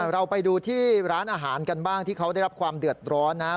เราไปดูที่ร้านอาหารกันบ้างที่เขาได้รับความเดือดร้อนนะครับ